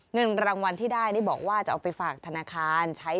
เงินรางวัลที่ได้นี่บอกว่าจะเอาไปฝากธนาคารใช้